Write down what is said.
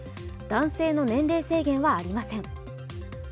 男性の年齢制限はありません。